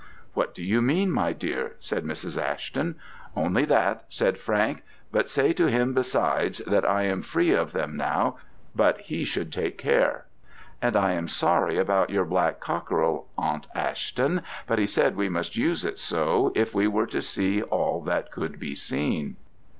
"What do you mean, my dear?" said Mrs. Ashton. "Only that;" said Frank, "but say to him besides that I am free of them now, but he should take care. And I am sorry about your black cockerel, Aunt Ashton; but he said we must use it so, if we were to see all that could be seen."